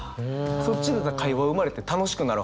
そっちだったら会話生まれて楽しくなるはず。